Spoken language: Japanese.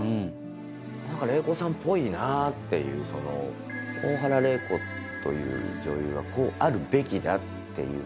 なんか麗子さんっぽいなっていう、大原麗子という女優はこうあるべきだっていう。